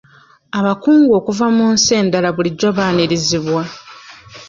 Abakungu okuva mu nsi endala bulijjo baanirizibwa.